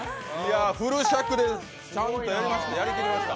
フル尺で演じてやりきりました。